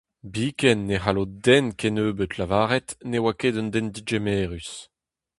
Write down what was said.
Biken ne c'hallo den kennebeut lavaret ne oa ket un den degemerus.